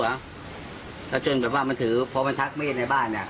แล้วจนแบบว่ามันถือพอมันชักมีดในบ้านอ่ะ